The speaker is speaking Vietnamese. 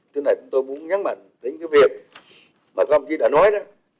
từ nay tôi muốn nhắn mạnh đến cái việc mà không chỉ đã nói đó